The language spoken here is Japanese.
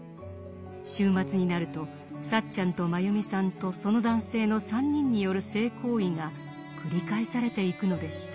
週末になるとサッチャンとマユミさんとその男性の３人による性行為が繰り返されていくのでした。